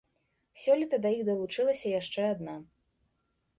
Сёлета да іх далучылася яшчэ адна.